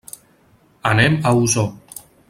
Anem a Osor.